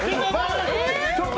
ちょっと！